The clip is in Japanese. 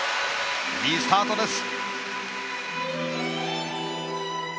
いいスタートです！